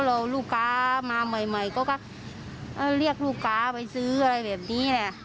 แล้วลูกก้ามาใหม่ก็เรียกลูกก้าไปซื้ออะไรแบบนี้